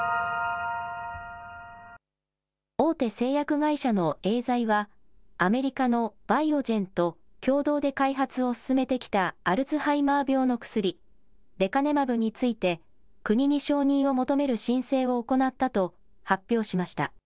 大手製薬会社のエーザイはアメリカのバイオジェンと共同で開発を進めてきたアルツハイマー病の薬、レカネマブについて国に承認を求める申請を行ったと発表しました。